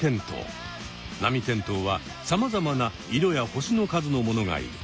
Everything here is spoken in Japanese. ナミテントウはさまざまな色や星の数のものがいる。